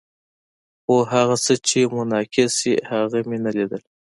خو هغه څه چې منعکسول یې، هغه مې نه لیدل.